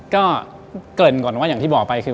ก็เกินก่อนว่าอย่างที่บอกไปคือ